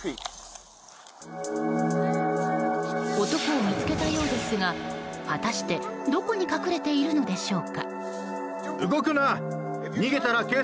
男を見つけたようですが果たしてどこに隠れているのでしょうか。